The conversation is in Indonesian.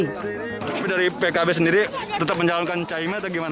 tapi dari pkb sendiri tetap menjalankan cahimin atau bagaimana